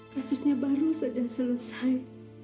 kasusnya baru saja selesai